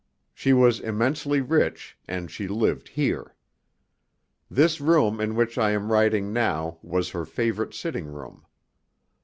She was immensely rich, and she lived here. This room in which I am writing now was her favourite sitting room.